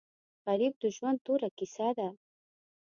غریب د ژوند توره کیسه ده